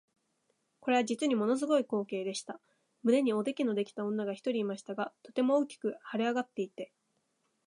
これは実にもの凄い光景でした。胸におできのできた女が一人いましたが、とても大きく脹れ上っていて、